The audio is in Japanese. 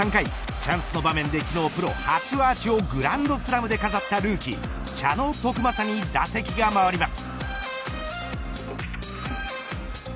チャンスの場面で昨日プロ初アーチをグランドスラムで飾ったルーキー茶野篤政に打席が回ります。